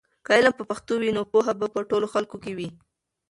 که علم په پښتو وي نو پوهه به په ټولو خلکو کې وي.